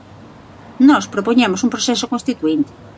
Nós propoñemos un proceso constituínte.